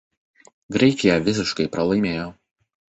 Graikija visiškai pralaimėjo.